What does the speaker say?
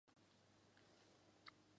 左右之人都很震惊恐惧。